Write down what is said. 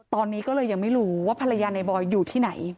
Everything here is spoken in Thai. ตอนนี้ก็เลยยังไม่รู้ว่าภรรยาในบอยอยู่ที่ไหน